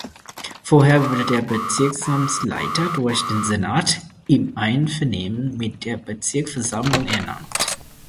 Vorher wurde der Bezirksamtsleiter durch den Senat "im Einvernehmen mit der Bezirksversammlung ernannt".